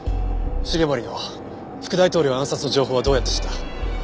繁森の副大統領暗殺の情報はどうやって知った？